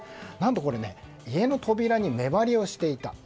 何とこれ、家の扉に目張りをしていた。